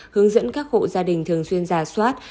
hướng dẫn các hộ gia đình thường xuyên giả soát